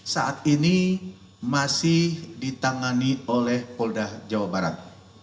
saat ini masih ditangani oleh polda jawa barat